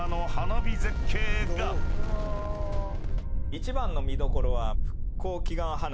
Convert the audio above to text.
一番の見どころは。